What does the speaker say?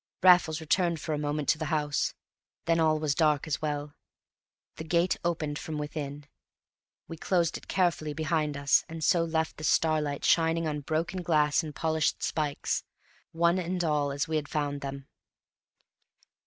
Raffles returned for a moment to the house; then all was dark as well. The gate opened from within; we closed it carefully behind us; and so left the starlight shining on broken glass and polished spikes, one and all as we had found them.